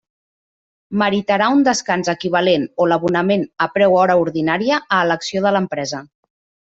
Meritarà un descans equivalent o l'abonament a preu hora ordinària a elecció de l'empresa.